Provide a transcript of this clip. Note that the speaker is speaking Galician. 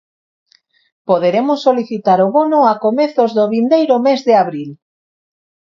Poderemos solicitar o bono a comezos do vindeiro mes de abril.